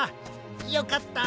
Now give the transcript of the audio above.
よかった！